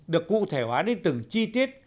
được cụ thể hóa đến từng chi tiết